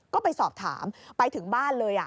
ก็ไปสอบถามไปถึงบ้านเลย